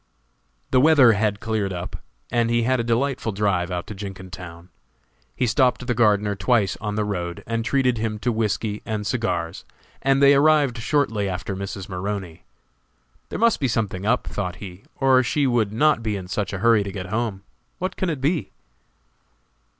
The weather had cleared up, and he had a delightful drive out to Jenkintown. He stopped the gardener twice on the road and treated him to whisky and cigars, and they arrived shortly after Mrs. Maroney. "There must be something up," thought he, "or she would not be in such a hurry to get home; what can it be?"